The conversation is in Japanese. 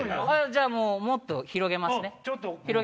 じゃあもっと広げますね。